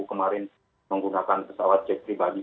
kemarin menggunakan pesawat cek pribadi